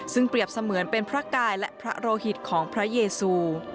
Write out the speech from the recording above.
ซึ่งเปรียบเสมือนเป็นพระกายและพระโรหิตของพระเยซู